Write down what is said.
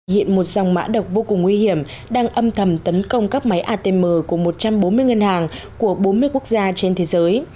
hiện một dòng mã độc vô cùng nguy hiểm đang âm thầm tấn công các máy atm của một trăm bốn mươi ngân hàng của bốn mươi quốc gia trên thế giới